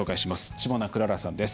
知花くららさんです。